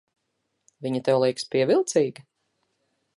Viņa tev liekas pievilcīga?